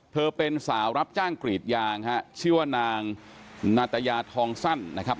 เธอเป็นสาวรับจ้างกรีดยางฮะชื่อว่านางนาตยาทองสั้นนะครับ